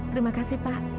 terima kasih pak